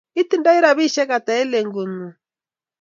Itindoi rabisiek ata eng lengut ngun?